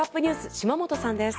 島本さんです。